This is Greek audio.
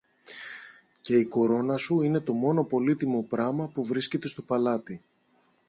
και η κορώνα σου είναι το μόνο πολύτιμο πράμα που βρίσκεται στο παλάτι.